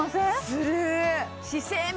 する！